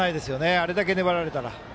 あれだけ粘られたら。